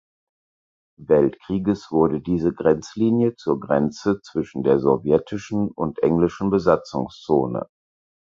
Weltkrieges wurde diese Grenzlinie zur Grenze zwischen der sowjetischen und englischen Besatzungszone.